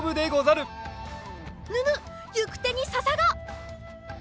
むむっゆくてにささが！